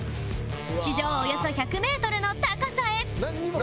地上およそ１００メートルの高さへ